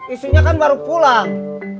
isinya kan baru pulang